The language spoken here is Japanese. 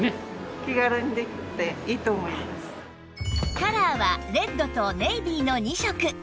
カラーはレッドとネイビーの２色